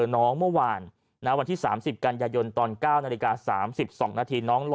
น้องเมื่อวานนะวันที่สามสิบกันยายนตอนเก้านาฬิกาสามสิบสองนาทีน้องรอ